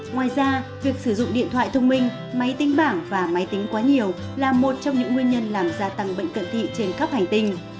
ngoài ra việc sử dụng điện thoại thông minh máy tính bảng và máy tính quá nhiều là một trong những nguyên nhân làm gia tăng bệnh cận thị trên khắp hành tinh